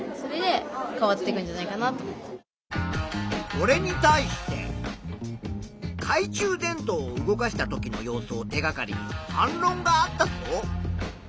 これに対してかい中電灯を動かしたときの様子を手がかりに反ろんがあったぞ。